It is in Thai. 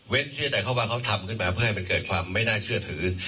เชื่อใจเขาว่าเขาทำขึ้นมาเพื่อให้มันเกิดความไม่น่าเชื่อถือ